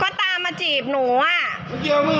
ก็ตามมาจีบหนูอ่ะ